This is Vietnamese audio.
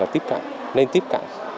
là tiếp cận nên tiếp cận